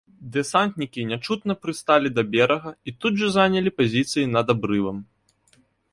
Дэсантнікі нячутна прысталі да берага і тут жа занялі пазіцыі пад абрывам.